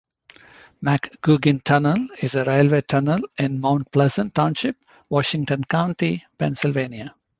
McGugin Tunnel is a railway tunnel in Mount Pleasant Township, Washington County, Pennsylvania.